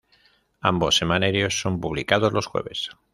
Ambos semanarios son publicados los jueves.